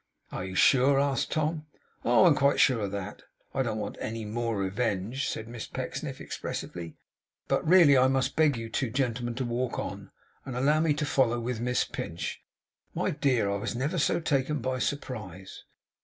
'Are you sure?' asked Tom. 'Oh, I am quite sure of that. I don't want any MORE revenge,' said Miss Pecksniff, expressively. 'But, really, I must beg you two gentlemen to walk on, and allow me to follow with Miss Pinch. My dear, I never was so taken by surprise!